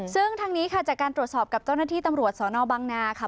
ซึ่งทางนี้ค่ะจากการตรวจสอบกับเจ้าหน้าที่ตำรวจสนบังนาค่ะ